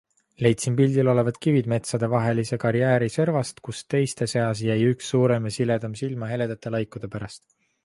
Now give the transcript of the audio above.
Leidsin pildil olevad kivid metsade vahelise karjääri servast, kus teiste seas jäi üks suurem ja siledam silma heledate laikude pärast.